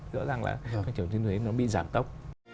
rõ ràng là tăng trưởng kinh tế nó bị giảm tốc